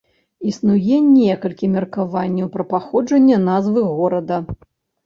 Існуе некалькі меркаванняў пра паходжанне назвы горада.